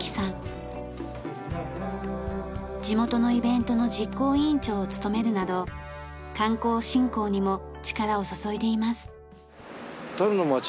地元のイベントの実行委員長を務めるなど観光振興にも力を注いでいます。